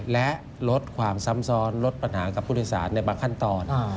และลดความซ้ำซ้อนลดปัญหากับผู้โดยสารในบางขั้นตอน